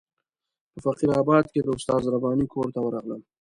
په فقیر آباد کې د استاد رباني کور ته ورغلم.